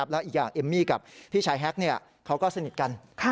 แล้วอีกอย่างเอมมี่กับพี่ชายแฮ็กเขาก็สนิทกัน